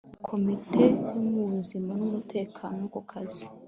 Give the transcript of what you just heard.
ya komite y ubuzima n umutekano ku kazi